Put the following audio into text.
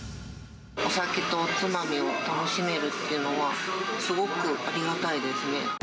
お酒とおつまみを楽しめるっていうのは、すごくありがたいですね。